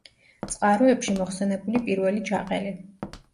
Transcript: წყაროებში მოხსენებული პირველი ჯაყელი.